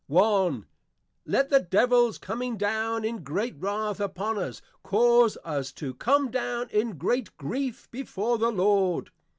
_ I. Let the Devils coming down in great wrath upon us, cause us to come down in great grief before the Lord.